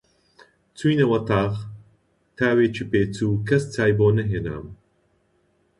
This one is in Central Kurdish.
چووینە وەتاغ، تاوێکی پێچوو، کەس چای بۆ نەهێنام